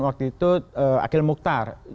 waktu itu akhil mukhtar